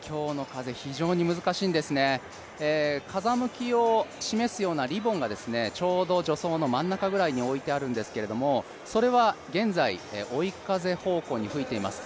非常に難しいんですね、風向きを示すようなリボンがちょうど助走の真ん中ぐらいに置いてあるんですけれども、それは現在、追い風方向に吹いています。